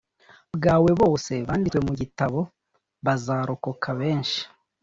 Bwawe bose banditswe mu gitabo bazarokoka benshi